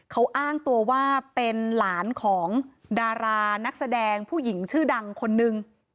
เขาอ้างตัวว่าเป็นหลานของดารานักแสดงผู้หญิงชื่อดังคนนึง